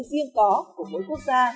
riêng có của mỗi quốc gia